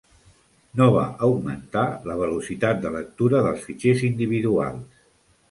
No va augmentar la velocitat de lectura dels fitxers individuals.